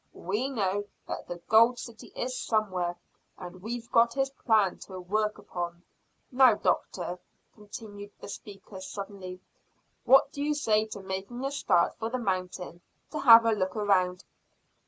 "We know that the gold city is somewhere, and we've got his plan to work upon. Now, doctor," continued the speaker suddenly, "what do you say to making a start for the mountain to have a look round?"